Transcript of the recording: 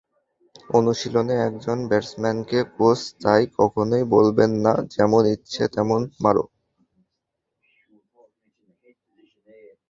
অনুশীলনে একজন ব্যাটসম্যানকে কোচ তাই কখনোই বলবেন না, যেমন ইচ্ছা তেমন মার।